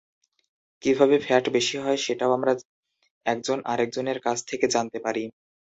কীভাবে ফ্যাট বেশি হয়, সেটাও আমরা একজন আরেকজনের কাছ থেকে জানতে পারি।